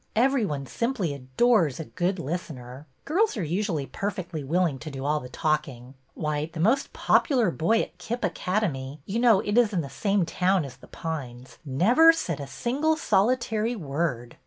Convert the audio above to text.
Every one simply adores a good listener. Girls are usu ally perfectly willing to do all the talking. Why, the most popular boy at Kip Academy — you know it is in the same town as The Pines — never said a single solitary word.